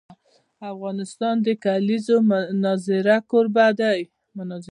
افغانستان د د کلیزو منظره کوربه دی.